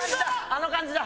あの感じだ